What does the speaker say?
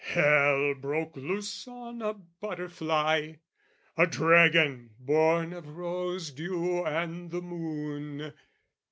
Hell broke loose on a butterfly! A dragon born of rose dew and the moon!